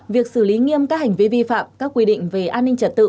việc xử lý nghiêm các hành vi vi phạm các quy định về an ninh trật tự